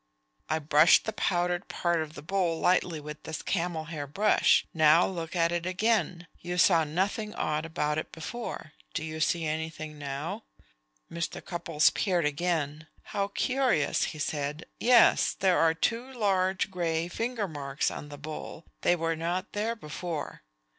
"I brush the powdered part of the bowl lightly with this camel hair brush. Now look at it again. You saw nothing odd about it before. Do you see anything now?" Mr. Cupples peered again. "How curious," he said. "Yes, there are two large gray finger marks on the bowl. They were not there before."